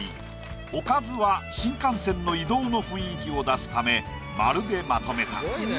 おかずは新幹線の移動の雰囲気を出すため丸でまとめた。